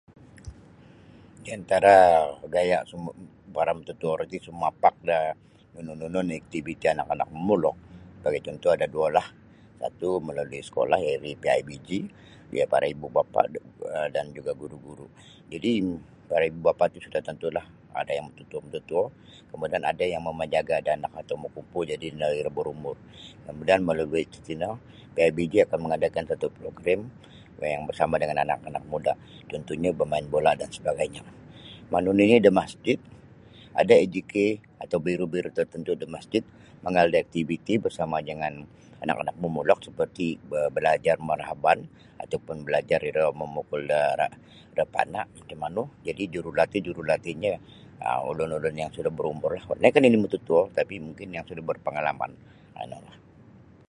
Di antara gaya' sumu para mututo roti sumapak da nunu-nunu oni' aktiviti anak- anak momulok sabagai cuntuh ada duolah satu melalui sekolah yakni PIBG ya para ibu bapa' dan juga guru-guru jadi' para ibu bapa' ti sudah tantulah ada yang mututuo-mututuo kemudian ada yang mamajaga' da anak atau makumpu jadi ino iro berumur. Kemudian melalui tatino PIBG akan mangadakan satu program yang bersama dengan anak-anak muda cuntuhnya bermain bola dan sebagainyo. Manu nini' da masjid ada AJK atau biro-biro tertentu' da masjid mangaal da aktiviti bersama jangan anak-anak mamulok seperti balajar marhaban ataupun balajar iro mamukul da rapana' macam manu jadi' jurulatih-jurulatihnyo um ulun-ulun yang sudah barumur lainkah nini' mututuo tapi mungkin yang sudah berpangalaman manulah.